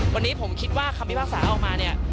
วันนี้ผมคิดว่าคำพิพากษาออกมาเนี่ย